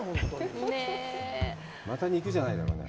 また肉じゃないだろうね？